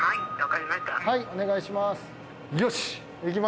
はいお願いします。